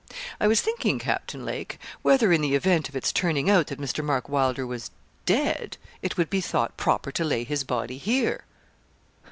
'I was thinking, Captain Lake, whether in the event of its turning out that Mr. Mark Wylder was dead, it would be thought proper to lay his body here?'